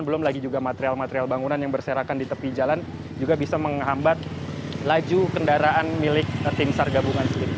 belum lagi juga material material bangunan yang berserakan di tepi jalan juga bisa menghambat laju kendaraan milik tim sar gabungan sendiri